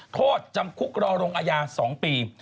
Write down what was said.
โทษจำคุกรอลงอาญา๒ปี